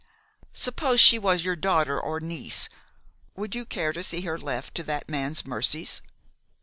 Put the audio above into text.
Suppose she was your daughter or niece, would you care to see her left to that man's mercies?"